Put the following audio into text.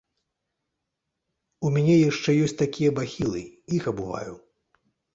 У мяне яшчэ ёсць такія бахілы, іх абуваю.